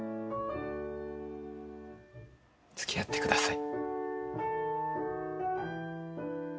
付き合ってください。